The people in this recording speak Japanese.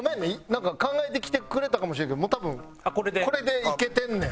なんか考えてきてくれたかもしれんけどもう多分これでいけてんねん。